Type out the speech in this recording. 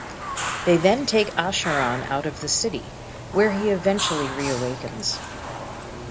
They then take Acheron out of the city, where he eventually reawakens.